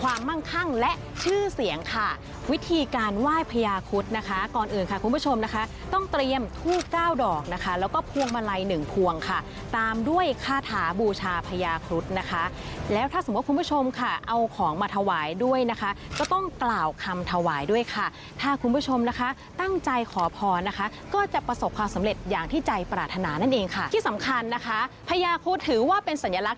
ว่ายพญาพุทธนะคะก่อนอื่นค่ะคุณผู้ชมนะคะต้องเตรียมทู่๙ดอกนะคะแล้วก็พวงมาลัย๑พวงค่ะตามด้วยคาถาบูชาพญาพุทธนะคะแล้วถ้าสมมุติคุณผู้ชมค่ะเอาของมาถวายด้วยนะคะก็ต้องกล่าวคำถวายด้วยค่ะถ้าคุณผู้ชมนะคะตั้งใจขอพรนะคะก็จะประสบความสำเร็จอย่างที่ใจปรารถนานั่นเองค่ะที่สำคัญนะคะพญาพุทธถือว่าเป็